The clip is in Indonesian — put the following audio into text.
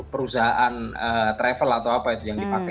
perusahaan travel atau apa itu yang dipakai